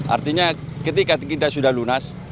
artinya ketika kita sudah lunas